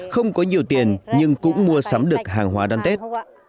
không có nhiều tiền nhưng cũng mua sắm được hàng hóa đón tết